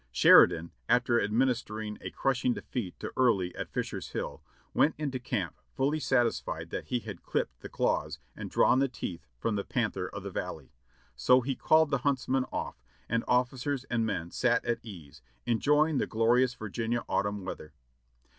Sheridan, after administering a crushing defeat to Early at Fisher's Hill, went into camp fully satisfied that he had clipped the claws and drawn the teeth from the panther of the Valley, so he called the huntsmen oft, and officers and men sat at ease, en joying the glorious \'irginia autumn weather.